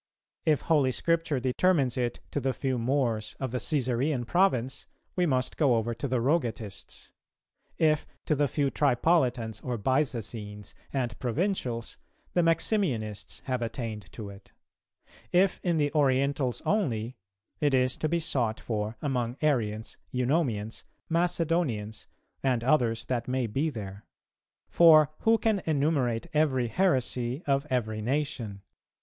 If holy Scripture determines it to the few Moors of the Cæsarean province, we must go over to the Rogatists: if to the few Tripolitans or Byzacenes and Provincials, the Maximianists have attained to it; if in the Orientals only, it is to be sought for among Arians, Eunomians, Macedonians, and others that may be there; for who can enumerate every heresy of every nation?